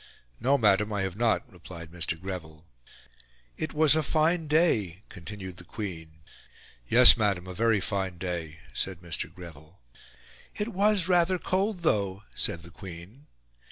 "No, Madam, I have not," replied Mr. Greville. "It was a fine day," continued the Queen. "Yes, Madam, a very fine day," said Mr. Greville. "It was rather cold, though," said the Queen.